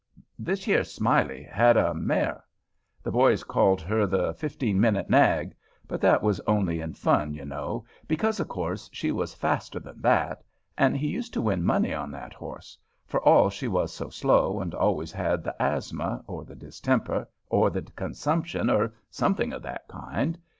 '" Thish yer Smiley had a mare—the boys called her the fifteen minute nag, but that was only in fun, you know, because, of course, she was faster than that—and he used to win money on that horse, for all she was so slow and always had the asthma, or the distemper, or the consumption, or something of that kind.